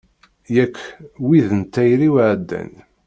Yak wid n tayri-w ɛeddan.